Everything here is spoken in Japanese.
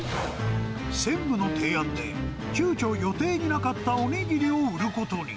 専務の提案で急きょ、予定になかったお握りを売ることに。